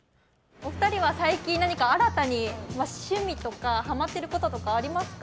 お二人は最近何か新たに趣味とかハマっていることとかありますか？